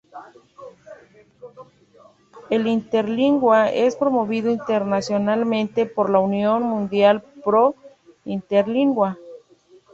El interlingua es promovido internacionalmente por la Union Mundial pro Interlingua.